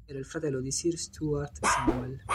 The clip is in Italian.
Era il fratello di Sir Stuart Samuel.